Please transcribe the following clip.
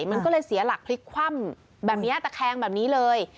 แล้วมันก็เลยเสียหลักพลิกคว่ำแต่แคงแบบนี้เลย